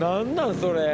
それ。